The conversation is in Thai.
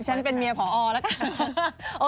ฉันเป็นเมียผอแล้วกัน